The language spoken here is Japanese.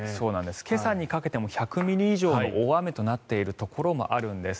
今朝にかけても１００ミリ以上の大雨となっているところもあるんです。